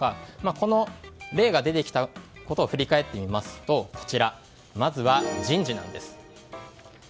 この例が出てきたことを振り返ってみますとまずは人事なんです。